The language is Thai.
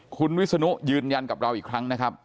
คุณวิศนุยืนยันกับเราอีกครั้งนะครับ